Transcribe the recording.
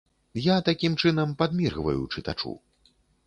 Я такім чынам падміргваю чытачу.